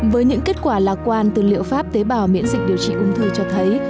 với những kết quả lạc quan từ liệu pháp tế bào miễn dịch điều trị ung thư cho thấy